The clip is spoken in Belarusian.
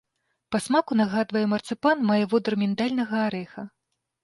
Па смаку нагадвае марцыпан, мае водар міндальнага арэха.